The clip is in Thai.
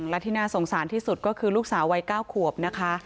และที่น่าสงสารที่สุดก็คือลูกสาววัย๙ขวบนะคะ